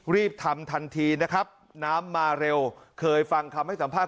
รีบทำทันทีนะครับน้ำมาเร็วเคยฟังคำให้สัมภาษณ